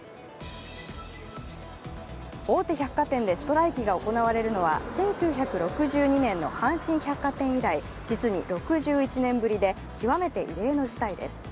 大手百貨店でストライキが行われるのは１９６２年の阪神百貨店以来実に６１年ぶりで極めて異例の事態です。